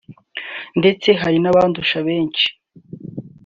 ndetse hari n’abandusha benshi